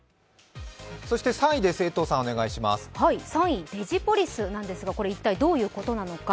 ３位、デジポリスなんですが、これ一体どういうことなのか。